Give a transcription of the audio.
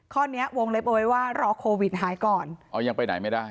ข้อเนี้ยวงเล็บเอาไว้ว่ารอโควิดหายก่อนอ๋อยังไปไหนไม่ได้